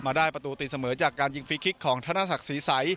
ได้ประตูตีเสมอจากการยิงฟรีคลิกของธนศักดิ์ศรีใส